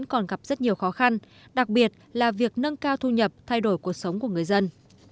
còn gặp rất nhiều khó khăn đặc biệt là việc nâng cao thu nhập thay đổi cuộc sống của người dân